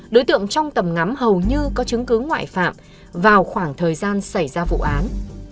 đối tượng trong tầm ngắm hầu như có chứng cứ ngoại phạm vào khoảng thời gian xảy ra vụ án